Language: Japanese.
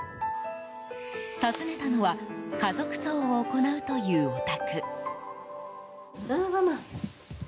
訪ねたのは家族葬を行うというお宅。